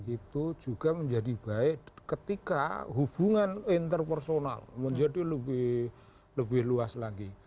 itu juga menjadi baik ketika hubungan interpersonal menjadi lebih luas lagi